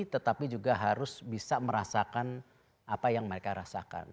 tetapi juga harus bisa merasakan apa yang mereka rasakan